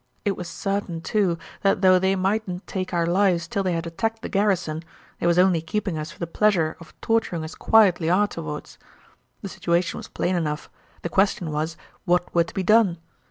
It was sartin, too, that though they mightn't take our lives till they had attacked the garrison, they was only keeping us for the pleasure of torturing us quietly arterward. The situation was plain enough; the question was, what were to be done?